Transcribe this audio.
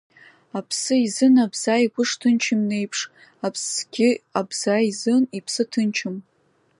Аԥсы изын абза игәы шҭынчым еиԥш, аԥсгьы абза изын иԥсы ҭынчым!